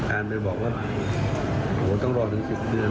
อ่านไปบอกว่าโหต้องรอถึง๑๐เดือน